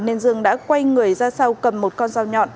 nên dương đã quay người ra sau cầm một con dao nhọn